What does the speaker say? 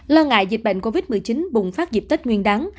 lần ngại dịch bệnh covid một mươi chín bùng phát dịp tết nguyên đắng